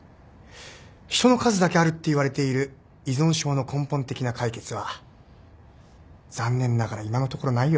人の数だけあるっていわれている依存症の根本的な解決は残念ながら今のところないよ。